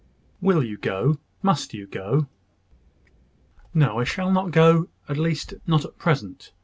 "Will you go? Must you go?" "No, I shall not go at least, not at present.